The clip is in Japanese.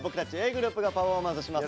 ｇｒｏｕｐがパフォーマンスします。